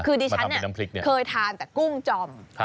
คือดิฉันเนี่ยเคยทานแต่กุ้งจอม